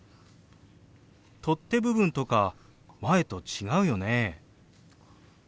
取っ手部分とか前と違うよね？